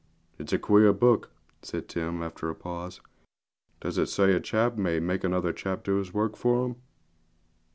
'It's a queer book,' said Tim, after a pause. 'Does it say a chap may make another chap do his work for him?'